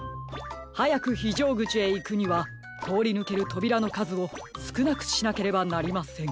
はやくひじょうぐちへいくにはとおりぬけるとびらのかずをすくなくしなければなりません。